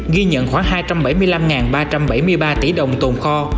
ghi nhận khoảng hai trăm bảy mươi năm ba trăm bảy mươi ba tỷ đồng tồn kho